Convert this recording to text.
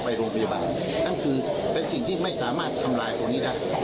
ไปโรงพยาบาลนั่นคือเป็นสิ่งที่ไม่สามารถทำลายตัวนี้ได้